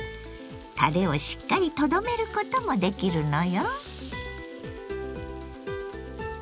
たれをしっかりとどめることもできるのよ。